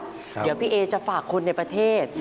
เดี๋ยวพี่เอจะฝากคนในประเทศ